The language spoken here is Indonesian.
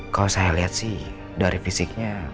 kalo saya liat sih dari fisiknya